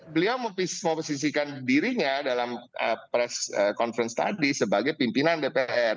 beliau memposisikan dirinya dalam press conference tadi sebagai pimpinan dpr